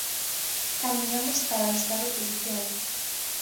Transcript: Camiñamos cara ao estado policial.